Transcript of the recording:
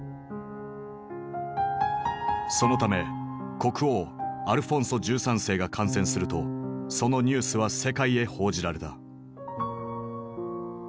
そのため国王アルフォンソ１３世が感染するとそのニュースは世界へ報じられた。